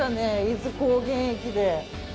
伊豆高原駅で。